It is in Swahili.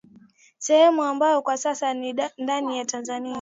sehemu ambayo kwa sasa ni ndani ya Tanzania